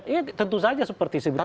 iya tentu saja seperti sebutkan tadi